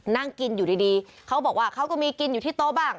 นั่งกินอยู่ดีเขาบอกว่าเขาก็มีกินอยู่ที่โต๊ะบ้าง